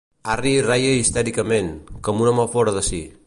Harry reia histèricament, com un home fora de si.